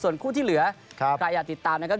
ส่วนคู่ที่เหลือใครอยากติดตามนะครับ